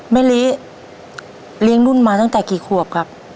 มะลิเลี้ยงนุ่นมาตั้งแต่กี่ขวบครับ